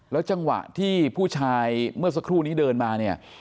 จังหวะที่ผู้ชายเมื่อสักครู่นี้เดินมาเนี่ย